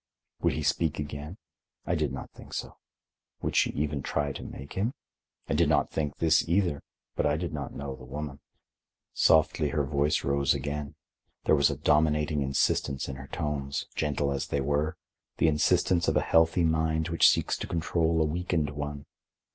Would he speak again? I did not think so. Would she even try to make him? I did not think this, either. But I did not know the woman. Softly her voice rose again. There was a dominating insistence in her tones, gentle as they were; the insistence of a healthy mind which seeks to control a weakened one.